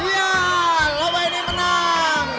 iya lomba ini menang